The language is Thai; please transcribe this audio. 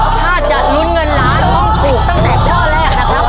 ถ้าจะลุ้นเงินล้านต้องถูกตั้งแต่ข้อแรกนะครับ